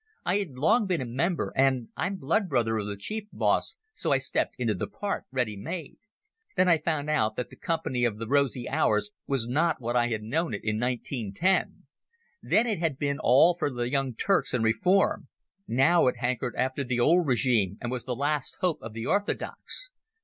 I had long been a member, and I'm blood brother of the chief boss, so I stepped into the part ready made. But I found out that the Company of the Rosy Hours was not what I had known it in 1910. Then it had been all for the Young Turks and reform; now it hankered after the old regime and was the last hope of the Orthodox.